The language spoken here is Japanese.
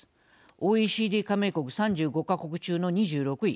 ＯＥＣＤ加盟国３５か国中の２６位。